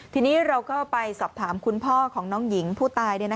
ทีนี้เราก็ไปสอบถามคุณพ่อของน้องหญิงผู้ตาย